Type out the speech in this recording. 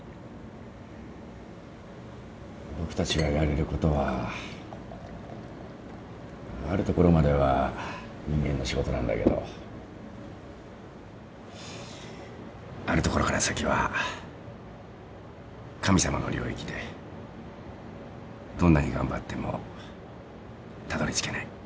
僕たちがやれることはあるところまでは人間の仕事なんだけどあるところから先は神様の領域でどんなに頑張ってもたどりつけない。